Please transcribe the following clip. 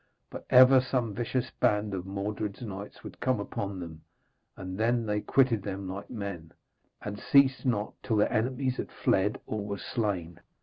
But ever some vicious band of Mordred's knights would come upon them, and then they quitted them like men, and ceased not till their enemies had fled or were slain.